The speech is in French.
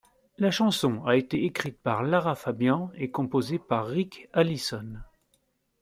La chanson a été écrite par Lara Fabian et composée par Rick Allison.